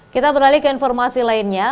kita beralih ke informasi lainnya